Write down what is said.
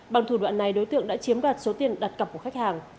bằng thủ đoạn này đối tượng đã chiếm đoạt số tiền đặt cặp của khách hàng